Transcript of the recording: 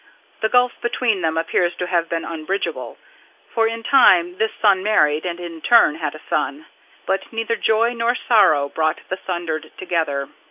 The gulf between them appears to have been unbridgable; for in time this son married and in turn had a son, but neither joy nor sorrow brought the sundered together.